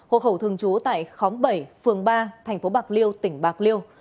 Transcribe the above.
hội khẩu thường trú tại khóm bảy phường ba tp bạc liêu tỉnh bạc liêu